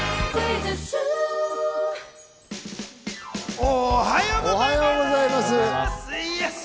おはようございます。